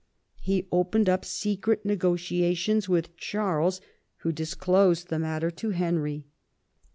He opened up secret negotiations with Charles, who disclosed the matter to Henry.